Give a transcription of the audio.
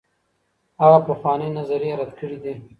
هغه پخوانۍ نظريې رد کړي دي.